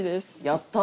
やった！